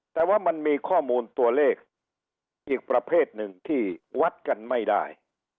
แต่ว่ามันมีข้อมูลตัวเลขอีกประเภทหนึ่งที่วัดกันไม่ได้